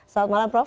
selamat malam prof